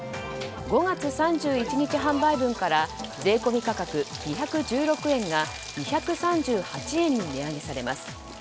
５月３１日販売分から税込み価格２１６円が２３８円に値上げされます。